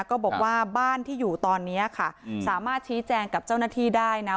ก็บอกว่าบ้านที่อยู่ตอนนี้ค่ะสามารถชี้แจงกับเจ้าหน้าที่ได้นะ